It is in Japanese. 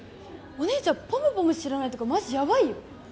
お姉ちゃんポムポム知らないとかマジやばいよ